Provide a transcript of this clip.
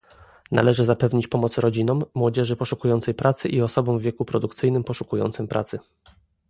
Należy zapewnić pomoc rodzinom, młodzieży poszukującej pracy i osobom w wieku produkcyjnym poszukującym pracy